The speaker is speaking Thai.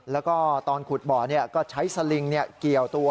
แล้วก็ตอนขุดบ่อก็ใช้สลิงเกี่ยวตัว